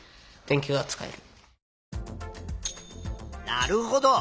なるほど。